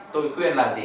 tôi khuyên là gì